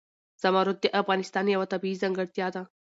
زمرد د افغانستان یوه طبیعي ځانګړتیا ده.